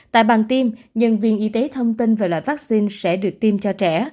tại bàn tiêm nhân viên y tế thông tin về loại vaccine sẽ được tiêm cho trẻ